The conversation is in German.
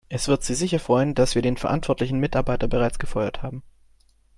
Es wird Sie sicher freuen, dass wir den verantwortlichen Mitarbeiter bereits gefeuert haben.